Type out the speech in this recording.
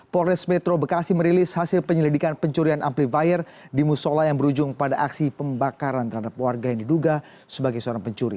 polres metro bekasi merilis hasil penyelidikan pencurian amplifier di musola yang berujung pada aksi pembakaran terhadap warga yang diduga sebagai seorang pencuri